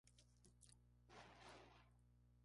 La relación con sus padres y hermanos es bastante buena.